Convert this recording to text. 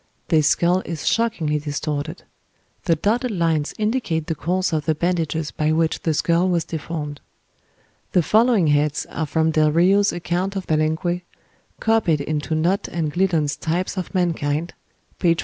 This skull is shockingly distorted. The dotted lines indicate the course of the bandages by which the skull was deformed. The following heads are from Del Rio's "Account of Palenque," copied into Nott and Gliddon's "Types of Mankind," p. 440.